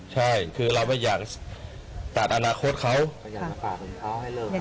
ใช่คือเราไม่อยากตัดอนาคตเขาก็อยากจะฝากถึงเขาให้เลิก